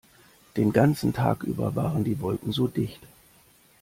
Den ganzen Tag über waren die Wolken so dicht.